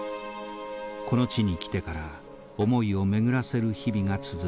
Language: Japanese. この地に来てから思いを巡らせる日々が続いています。